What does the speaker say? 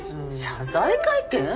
謝罪会見？